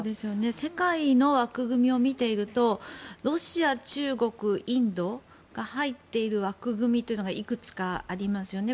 世界の枠組みを見ているとロシア、中国、インドが入っている枠組みというのがいくつかありますよね。